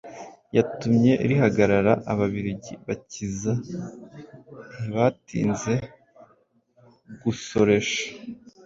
yatumye rihagarara. Ababiligi bakiza ntibatinze gusoresha.